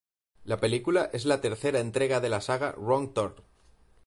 La película es la tercera entrega de la saga "Wrong Turn".